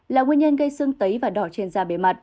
là nguyên nhân gây sưng tấy và đỏ trên da bề mặt